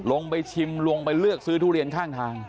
ลงไปชิมลงไปเลือกซื้อทุเรียนข้างทาง